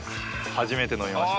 初めて飲みました。